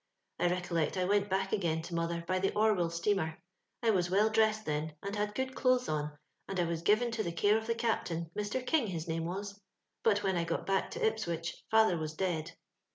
I recollect I went back again to mother by the Orwell steamer. I was well dressed then, and had good clothes on, and I was given to the care of the captain— Mr. King his name was. But when I got back to Ipswich, father was dead.